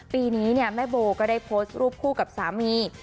ปีนี้แม่โบก็ได้โพสต์รูปคู่กับสามี